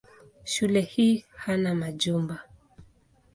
Shule hii hana majumba.